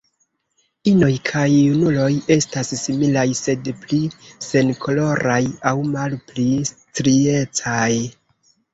Inoj kaj junuloj estas similaj, sed pli senkoloraj aŭ malpli striecaj.